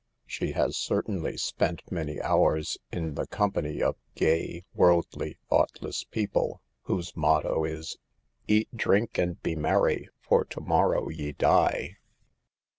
She has certainly spent 102 SAVE THE GIELS. many hours in the company of gay, worldly, thoughtless people, whose motto is " eat, drink and be merry, for to morrow ye die."